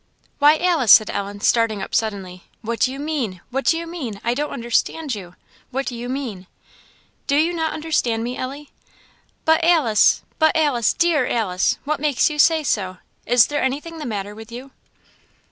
"Why, Alice," said Ellen, starting up suddenly; "what do you mean? what do you mean? I don't understand you what do you mean?" "Do you not understand me, Ellie?" "But, Alice! but Alice dear Alice! what makes you say so? is there anything the matter with you?"